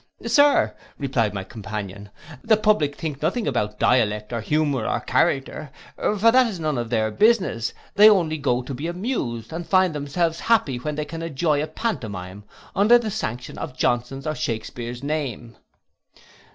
'—'Sir,' returned my companion, 'the public think nothing about dialect, or humour, or character; for that is none of their business, they only go to be amused, and find themselves happy when they can enjoy a pantomime, under the sanction of Johnson's or Shakespear's name.